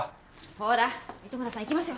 ほら糸村さん行きますよ。